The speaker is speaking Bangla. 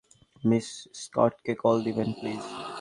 মিস স্কটকে কল দিবেন প্লিজ।